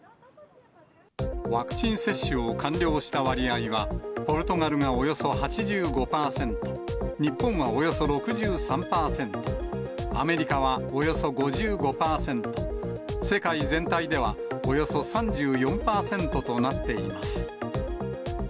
ワクチン接種を完了した割合は、ポルトガルがおよそ８５％、日本はおよそ６３％、アメリカはおよそ５５％、世界全体ではおよそ３４％となっています。